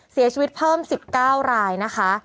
เสียชีวิตเพิ่ม๑๙รายนะคะ